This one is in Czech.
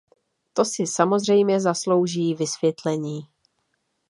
To si samozřejmě zaslouží vysvětlení.